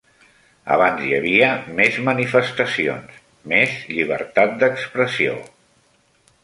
Abans hi havia més manifestacions, més llibertat d'expressió.